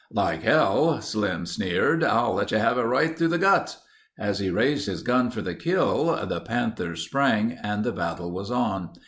"Like hell," Slim sneered. "I'll let you have it right through the guts—" As he raised his gun for the kill, the panther sprang and the battle was on.